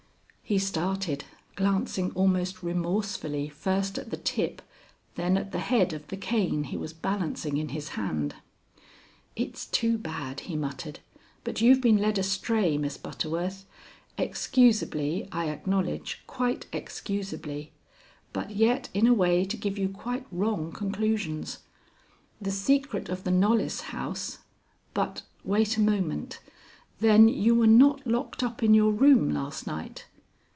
He started, glancing almost remorsefully first at the tip, then at the head of the cane he was balancing in his hand. "It's too bad," he muttered, "but you've been led astray, Miss Butterworth, excusably, I acknowledge, quite excusably, but yet in a way to give you quite wrong conclusions. The secret of the Knollys house But wait a moment. Then you were not locked up in your room last night?"